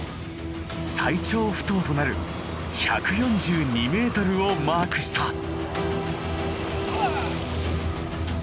最長不倒となる１４２ｍをマークした。